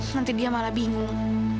nanti dia malah bingung